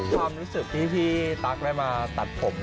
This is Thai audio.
ความรู้สึกที่พี่ตั๊กได้มาตัดผม